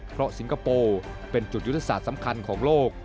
เพราะสิงคโปร์เป็นจุดยุทธศาสตร์สำคัญของโลก